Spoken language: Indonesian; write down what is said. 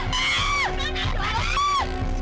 awas orang dek aboards lah